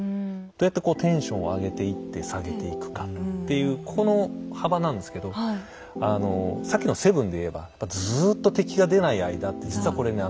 どうやってこうテンションを上げていって下げていくかっていうこの幅なんですけどさっきの「７」で言えばずっと敵が出ない間って実はこれね